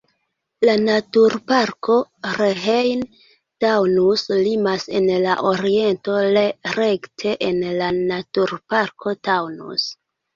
La naturparko Rhein-Taunus limas en la oriento rekte en la naturparko Taunus.